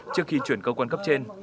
trước khi chuyển cơ quan cấp trên